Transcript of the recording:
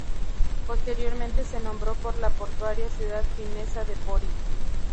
Posteriormente se nombró por la portuaria ciudad finesa de Pori.